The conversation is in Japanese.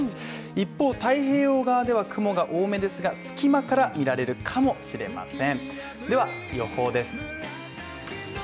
一方、太平洋側では雲が多めですが隙間から見られるかもしれません。